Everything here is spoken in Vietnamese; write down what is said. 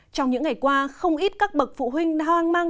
trong những ngày qua không ít các bậc phụ huynh hoang mang